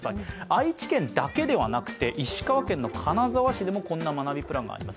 愛知県だけではなくて石川県金沢市でもこんなプランがあります。